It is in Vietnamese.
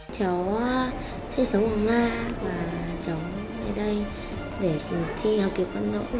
cháu sống ở ma và cháu ở đây để thi học kiếp vận động